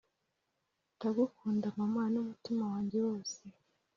ndagukunda, mama, n'umutima wanjye wose,